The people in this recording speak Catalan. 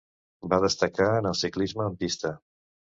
Va destacar en el ciclisme en pista.